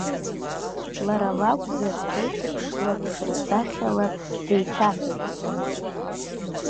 Лара лакәзар, ҭеиҭԥшла, ԥшра-сахьала деиҭаҳәатәӡан.